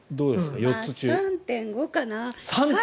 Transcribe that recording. ３．５かな。